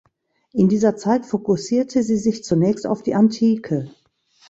In dieser Zeit fokussierte sie sich zunächst auf die Antike.